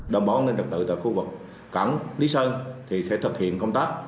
đảm bảo an ninh trật tự tại khu vực cảng lý sơn thì sẽ thực hiện công tác